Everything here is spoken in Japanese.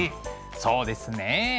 そうですね。